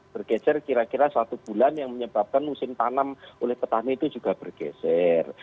bergeser kira kira satu bulan yang menyebabkan musim tanam oleh petani itu juga bergeser